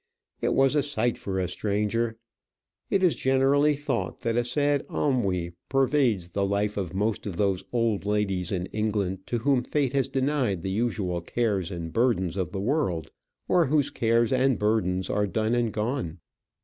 It was a sight for a stranger! It is generally thought that a sad ennui pervades the life of most of those old ladies in England to whom fate has denied the usual cares and burdens of the world, or whose cares and burdens are done and gone.